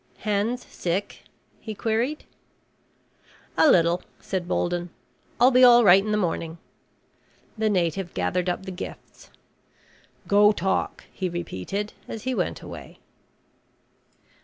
"Hands sick?" he queried. "A little," said Bolden. "I'll be all right in the morning." The native gathered up the gifts. "Go talk," he repeated as he went away.